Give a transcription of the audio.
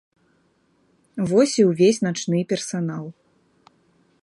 Вось і ўвесь начны персанал.